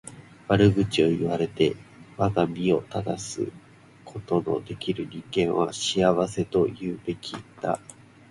悪口を言われて我が身を正すことの出来る人間は幸せと言うべきだ。